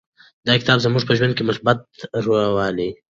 دا کتاب زموږ په ژوند کې مثبت بدلون راولي.